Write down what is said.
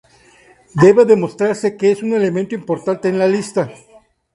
Debe demostrarse que es un elemento importante en las listas".